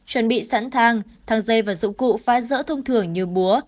chuẩn bị sẵn thang dây và dụng cụ phá rỡ thông thường như búa